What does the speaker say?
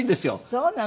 そうなの？